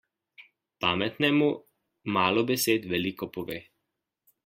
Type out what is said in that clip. Pametnemu malo besed veliko pove.